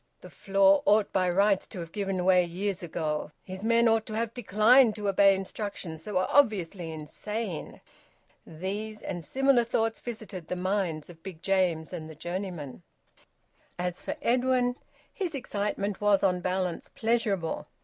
The floor ought by rights to have given way years ago! His men ought to have declined to obey instructions that were obviously insane. These and similar thoughts visited the minds of Big James and the journeyman. As for Edwin, his excitement was, on balance, pleasurable.